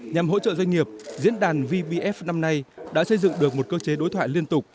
nhằm hỗ trợ doanh nghiệp diễn đàn vpf năm nay đã xây dựng được một cơ chế đối thoại liên tục